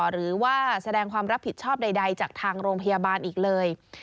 หรือว่าแสดงความรับผิดชอบใดจากทางโรงพยาบาลอีกเลย